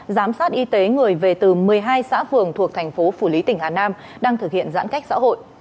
giám sát y tế người về từ một mươi hai xã phường thuộc thành phố phủ lý tỉnh hà nam đang thực hiện giãn cách xã hội